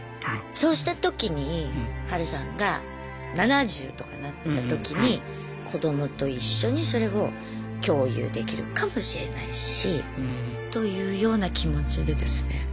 そうしたときにハルさんが７０とかなったときに子どもと一緒にそれを共有できるかもしれないしというような気持ちでですね